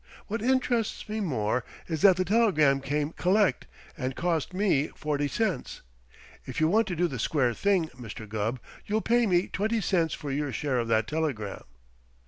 What interests me more is that the telegram came collect and cost me forty cents. If you want to do the square thing, Mr. Gubb, you'll pay me twenty cents for your share of that telegram."